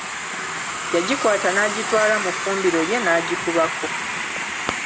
Yagikwata n'agitwala mu ffumbiro lye n'agikubako.